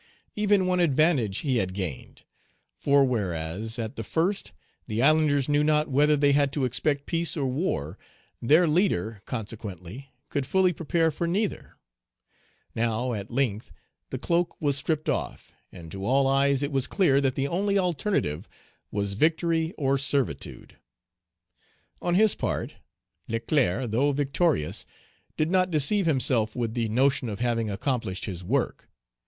Even one advantage he had gained; for, whereas, at the first, the islanders knew not whether they had to expect peace or war, their leader, consequently, could fully prepare for neither: now, at length, the cloak was stripped off, and to all eyes it was clear that the only alternative was victory or servitude. On his part, Leclerc, though victorious, did not deceive himself with the notion of having accomplished his work.